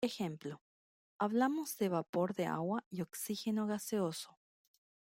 Ejemplo: Hablamos de vapor de agua y oxígeno gaseoso.